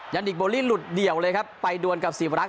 ดิกโบลี่หลุดเดี่ยวเลยครับไปดวนกับสีวรักษ